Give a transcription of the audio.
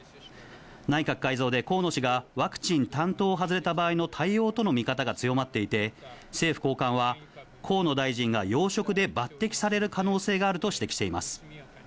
内閣改造で河野氏がワクチン担当を外れた場合の対応との見方が強まっていて、政府高官は、河野大臣が要職で抜てきされる可能性があると指摘しています。